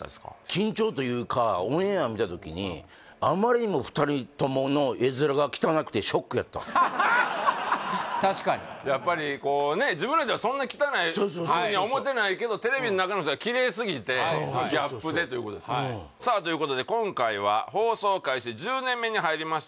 緊張というかオンエア見た時にあまりにも二人ともの確かにやっぱり自分らではそんな汚いふうには思ってないけどテレビの中の人がキレイすぎてそうそうそうギャップでということですかということで今回は放送開始１０年目に入りました